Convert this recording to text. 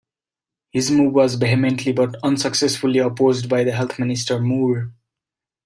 His move was vehmently but unsuccessfully opposed by the Health Minister, Moore.